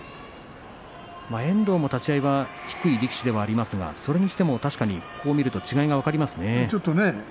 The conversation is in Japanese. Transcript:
遠藤も立ち合いは低い力士ではありますがそれにしても確かにこうして見ると違いが分かりますね。